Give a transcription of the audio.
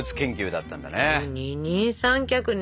二人三脚ね。